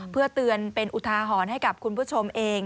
เพื่อเตือนเป็นอุทาหรณ์ให้กับคุณผู้ชมเอง